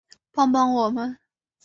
帮帮我们